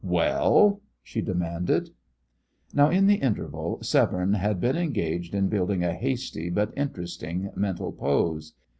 "Well!" she demanded. Now, in the interval, Severne had been engaged in building a hasty but interesting mental pose.